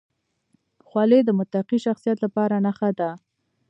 خولۍ د متقي شخصیت لپاره نښه ده.